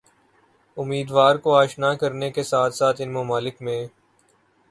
امیدواروں کو آشنا کرنے کے ساتھ ساتھ ان ممالک میں